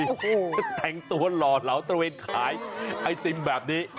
แต่แต่งตัวหล่อเหล่าตระเวทขายไอติมแบบนี้